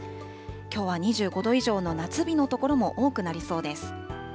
きょうは２５度以上の夏日の所も多くなりそうです。